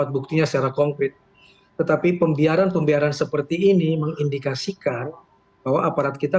buktinya secara konkret tetapi pembiaran pembiaran seperti ini mengindikasikan bahwa aparat kita